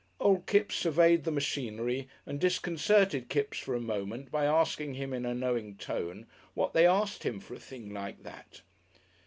Old Kipps surveyed the machinery and disconcerted Kipps for a moment by asking him in a knowing tone what they asked him for a thing like that.